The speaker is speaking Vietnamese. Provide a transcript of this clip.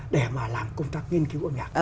để mà làm công tác nghiên cứu âm nhạc